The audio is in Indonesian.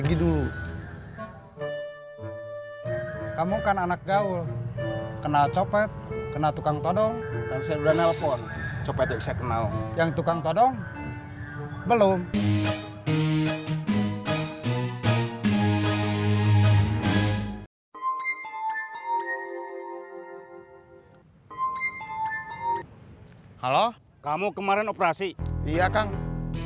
kiranya jangan bisos